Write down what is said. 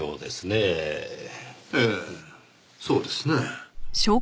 ええそうですねぇ。